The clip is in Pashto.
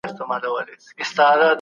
حضرت أنس رضي الله عنه روايت کوي.